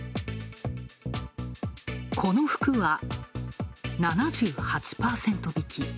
この服は７８％引き。